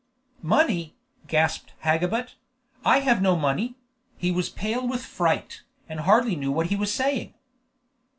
"Money!" gasped Hakkabut; "I have no money." He was pale with fright, and hardly knew what he was saying.